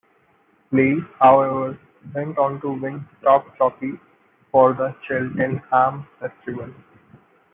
Lee, however, went on to win Top Jockey for the Cheltenham Festival.